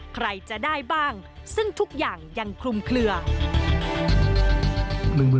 ใครจะได้บ้างซึ่งทุกอย่างยังคลุมเคลือ